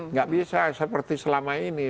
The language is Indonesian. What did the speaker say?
nggak bisa seperti selama ini